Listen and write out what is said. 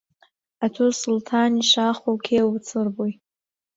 ئەتۆ سوڵتانی شاخ و کێو و چڕ بووی